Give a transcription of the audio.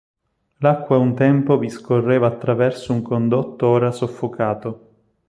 L'acqua un tempo vi scorreva attraverso un condotto ora soffocato.